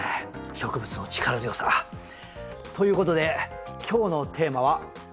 植物の力強さ。ということで今日のテーマは「ランの着生」。